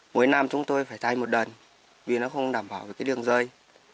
mỗi năm chúng tôi phải thay một đần vì nó không đảm bảo cái đường dây